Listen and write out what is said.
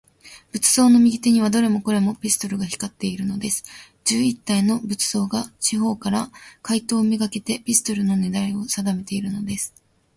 仏像の右手には、どれもこれも、ピストルが光っているのです。十一体の仏像が、四ほうから、怪盗めがけて、ピストルのねらいをさだめているのです。